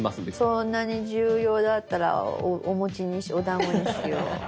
そんなに重要だったらおだんごにしよう。